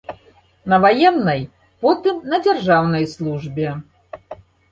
На ваеннай, потым на дзяржаўнай службе.